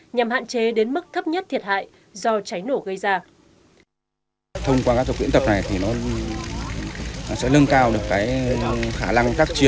nhằm hạn chế đến mức thấp nhất thiệt hại do cháy nổ gây ra